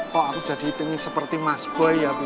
kok aku jadi ini seperti mas boy ya bi